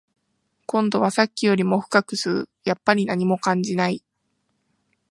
今度はさっきよりも深く吸う、やっぱり何も感じない